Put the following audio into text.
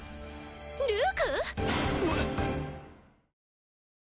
ルーク！？